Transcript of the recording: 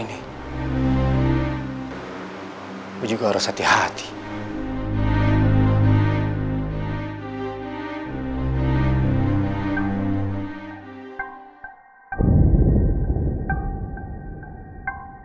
nisa dikantor ini